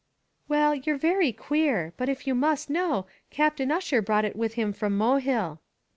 "Well, you're very queer; but if you must know, Captain Ussher brought it with him from Mohill."